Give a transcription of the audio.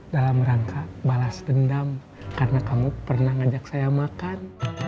dalam rangka balas dendam karena kamu pernah ngajak saya makan